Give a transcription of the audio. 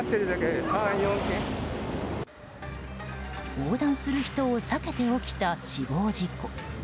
横断する人を避けて起きた死亡事故。